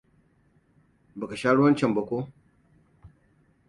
Baka sha ruwan can ba, ko?